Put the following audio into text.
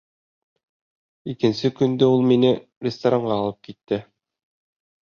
Икенсе көндө ул мине ресторанға алып китте.